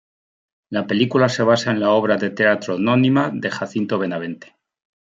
La película se basa en la obra de teatro homónima de Jacinto Benavente.